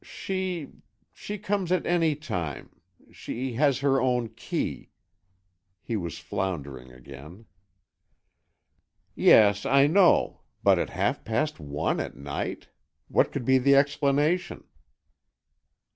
"She—she comes at any time—she has her own key——" He was floundering again. "Yes, I know, but at half past one at night! What could be the explanation?"